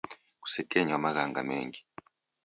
Kusekenywa maghanga mengi.